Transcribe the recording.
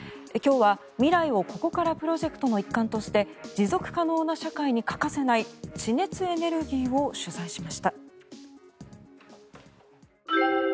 今日は未来をここからプロジェクトの一環として持続可能な社会に欠かせない地熱エネルギーを取材しました。